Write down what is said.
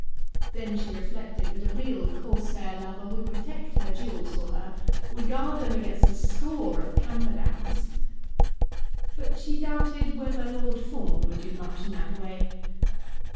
Then she reflected that a real Corsair lover would protect her jewels for her; would guard them against a score of Camperdowns. But she doubted whether Lord Fawn would do much in that way.